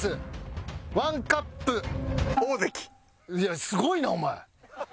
いやすごいなお前。